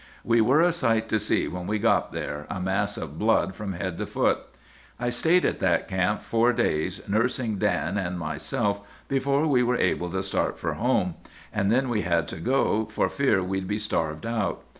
"'We were a sight to see when we got there, a mass of blood from head to foot. "'I stayed at that camp four days, nursing Dan and myself, before we were able to start for home; and then we had to go, for fear we'd be starved out.